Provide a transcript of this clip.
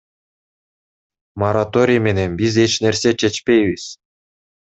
Мораторий менен биз эч нерсе чечпейбиз.